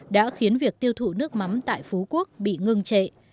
đã khiến việc tiêu thụ nước mắm tại phú quốc bị ngưng trệ